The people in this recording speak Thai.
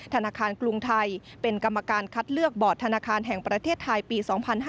ธนาคารกรุงไทยเป็นกรรมการคัดเลือกบอร์ดธนาคารแห่งประเทศไทยปี๒๕๕๙